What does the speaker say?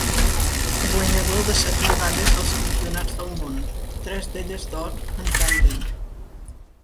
Guanyador de set medalles als Campionats del món, tres d'elles d'or en tàndem.